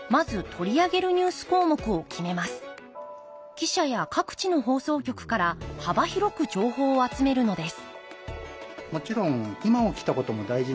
記者や各地の放送局から幅広く情報を集めるのです